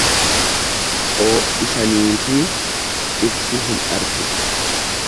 Oo'isa niitii dhirsi hin argu.